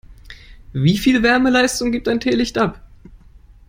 Wie viel Wärmeleistung gibt ein Teelicht ab?